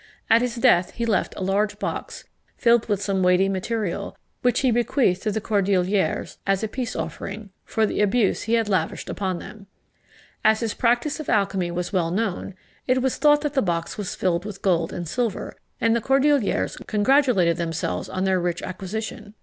At his death he left a large box, filled with some weighty material, which he bequeathed to the Cordeliers, as a peace offering, for the abuse he had lavished upon them. As his practice of alchymy was well known, it was thought the box was filled with gold and silver, and the Cordeliers congratulated each other on their rich acquisition.